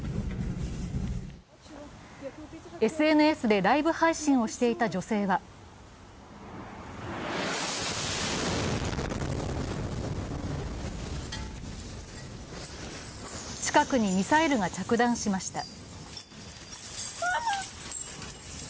ＳＮＳでライブ配信をしていた女性は近くにミサイルが着弾しました。